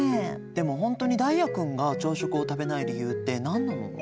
でも本当に太哉君が朝食を食べない理由って何なの？